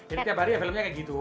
jadi tiap hari ya filmnya kayak gitu